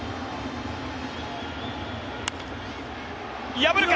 破るか？